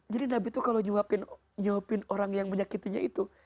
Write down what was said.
jadi nabi itu kalau nyuapin orang yang menyakitinya itu